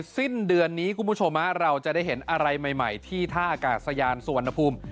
สิ้นเดือนนี้คุณผู้ชมเราจะได้เห็นอะไรใหม่ที่ท่าอากาศยานสุวรรณภูมิ